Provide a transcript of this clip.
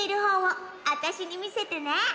あたしにみせてね。